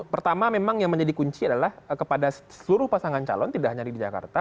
pertama memang yang menjadi kunci adalah kepada seluruh pasangan calon tidak hanya di jakarta